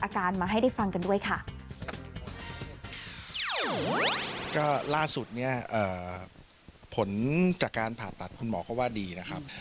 ก็ล่าสุดเนี่ยเอ่อผลจากการผ่าตัดคุณหมอก็ว่าดีนะครับ